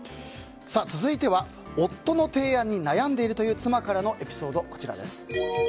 続いては夫の提案に悩んでいるという妻からのエピソード。